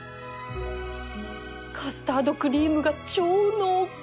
カスタードクリームが超濃厚